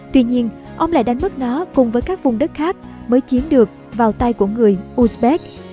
tuy nhiên ông lại đánh mất nó cùng với các vùng đất khác mới chiếm được vào tay của người uzbek